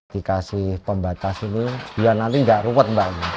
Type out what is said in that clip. dikasih pembatas ini biar nanti nggak ruwet mbak